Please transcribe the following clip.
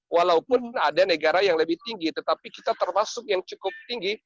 walaupun ada negara yang lebih tinggi tetapi kita termasuk yang cukup tinggi